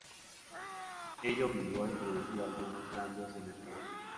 Ello obligó a introducir algunos cambios en el proyecto.